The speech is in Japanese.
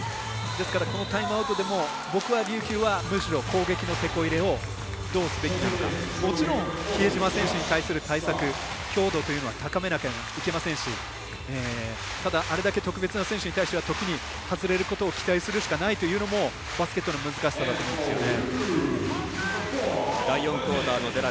ですからタイムアウトでも僕は琉球はむしろ攻撃のてこ入れをどうすべきなのかもちろん比江島選手に対する対策、強度というのは高めなきゃいけませんしただ、あれだけ特別な選手にとってはときに外れることを願うしかないというのもバスケットの難しさだと思うんですよね。